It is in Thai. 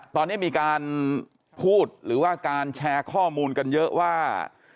ตอนนี้มีการพูดหรือว่าการแชร์ข้อมูลกันเยอะว่า